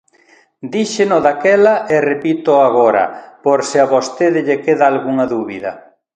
Díxeno daquela e repítoo agora, por se a vostede lle queda algunha dúbida.